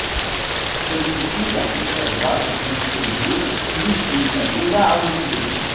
Celui-ci la conserva jusqu'au jour où il la donna à Olivier.